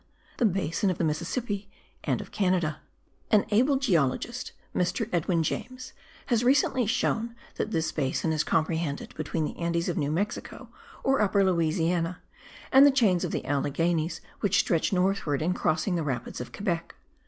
THE BASIN OF THE MISSISSIPPI AND OF CANADA. An able geologist, Mr. Edwin James, has recently shown that this basin is comprehended between the Andes of New Mexico, or Upper Louisiana, and the chains of the Alleghenies which stretch northward in crossing the rapids of Quebec.